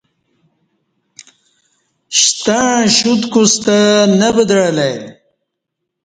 شتݩع شوت کُستہ نہ ودعہ لہ ای